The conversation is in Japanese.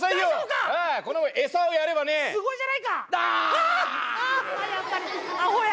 ああやっぱりあほや。